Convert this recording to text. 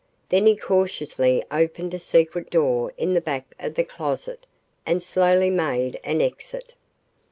Then he cautiously opened a secret door in the back of the closet and slowly made an exit.